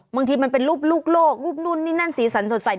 บางทีมันเป็นรูปลูกโลกรูปนู่นนี่นั่นสีสันสดใส